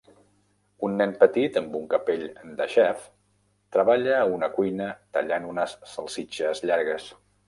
Un nen petit amb un capell de xef treballa a una cuina tallant unes salsitxes llargues